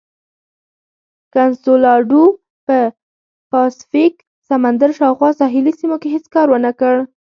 کنسولاډو په پاسفیک سمندر شاوخوا ساحلي سیمو کې هېڅ کار ونه کړ.